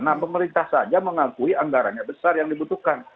nah pemerintah saja mengakui anggarannya besar yang dibutuhkan